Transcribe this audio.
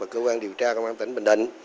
cơ quan điều tra công an tỉnh bình định